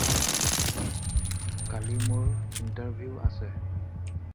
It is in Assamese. কালি মোৰ ইণ্টাৰভিউ আছে।